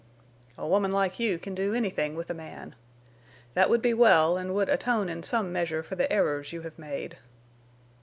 "A woman like you can do anything with a man. That would be well, and would atone in some measure for the errors you have made."